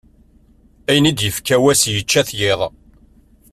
Ayen i d-ifka wass yečča-t yiḍ.